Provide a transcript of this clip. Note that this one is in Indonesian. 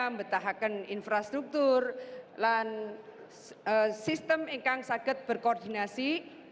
membutahakan infrastruktur dan sistem yang sangat berkoordinasi